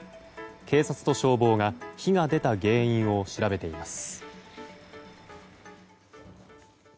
警察と消防が火が出た原因を調べています。